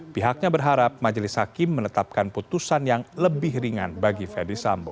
pihaknya berharap majelis hakim menetapkan putusan yang lebih ringan bagi fede sambo